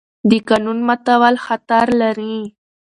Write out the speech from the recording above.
د قانون ماتول خطر لري